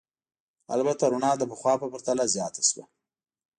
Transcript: البته رڼا د پخوا په پرتله زیاته شوه.